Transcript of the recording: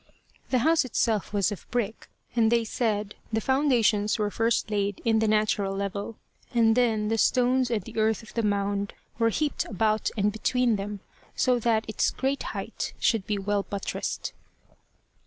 The house itself was of brick, and they said the foundations were first laid in the natural level, and then the stones and earth of the mound were heaped about and between them, so that its great height should be well buttressed.